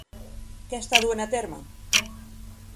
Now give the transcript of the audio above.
Què està duent a terme?